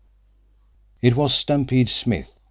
It was Stampede Smith.